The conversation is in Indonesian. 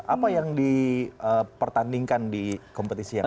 apa yang dipertandingkan di kompetisi yang